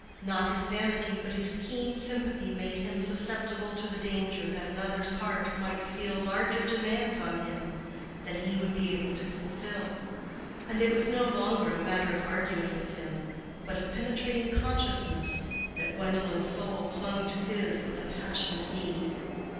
Not his vanity, but his keen sympathy made him susceptible to the danger that another's heart might feel larger demands on him than he would be able to fulfill; and it was no longer a matter of argument with him, but of penetrating consciousness, that Gwendolen's soul clung to his with a passionate need.